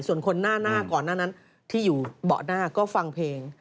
ส่วนคนหน้าหน้าก่อนหน้านั้นที่อยู่เบาะหน้าก็ฟังเพลง